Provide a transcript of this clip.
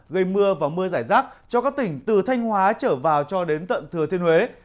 gây mưa và mưa giải rác cho các tỉnh từ thanh hóa trở vào cho đến tận thừa thiên huế